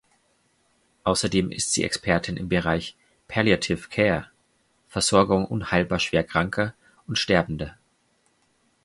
Außerdem ist sie Expertin im Bereich "Palliative Care" (Versorgung unheilbar Schwerkranker und Sterbender).